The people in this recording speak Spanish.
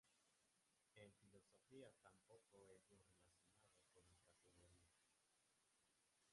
En filosofía tampoco es lo relacionado con las categorías.